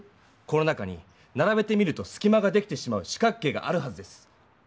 この中にならべてみるとすきまができてしまう四角形があるはずです。